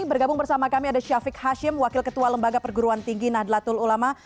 bergabung bersama kami ada syafiq hashim wakil ketua lembaga perguruan tinggi nahdlatul ulama